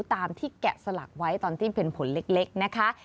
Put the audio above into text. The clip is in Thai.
ตามที่แกะสลักไว้ตอนที่เป็นผลเล็กนะคะ